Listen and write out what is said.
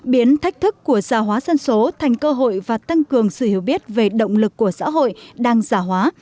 biến thách thức của gia hóa dân số thành cơ hội và tăng cường sự hiểu biết về động lực của xã hội đang giả hóa